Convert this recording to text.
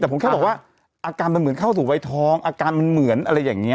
แต่ผมแค่บอกว่าอาการมันเหมือนเข้าสู่วัยทองอาการมันเหมือนอะไรอย่างนี้